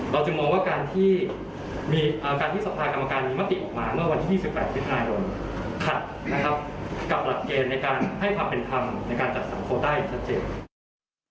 เราจะมองว่าการที่สภากรรมการมีมาติออกมาเมื่อวันที่๒๘สุดท้ายโดนขัดกับหลักเกณฑ์ในการให้ทำเป็นคำในการจับสรรโคลต้าไว้อย่างชัดเจน